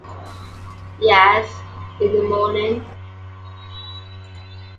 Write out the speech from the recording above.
Yes, in the morning.